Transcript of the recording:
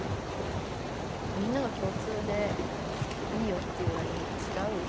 みんながきょう通でいいよっていうラインはちがう。